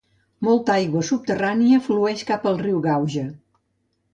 Molta aigua subterrània flueix cap al riu Gauja.